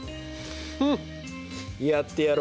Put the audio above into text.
フッやってやろう。